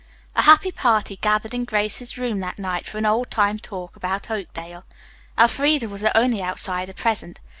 A happy party gathered in Grace's room that night for an old time talk about Oakdale. Elfreda was the only outsider present.